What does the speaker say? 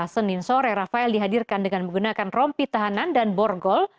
senin sore rafael dihadirkan dengan menggunakan rompi tahanan dan borgol